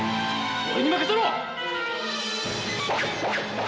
俺に任せろ！